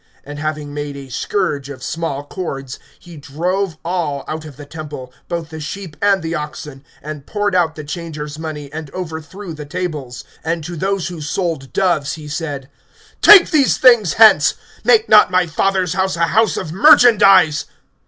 (15)And having made a scourge of small cords, he drove all out of the temple, both the sheep and the oxen; and poured out the changers' money, and overthrew the tables; (16)and to those who sold doves he said: Take these things hence; make not my Father's house a house of merchandise.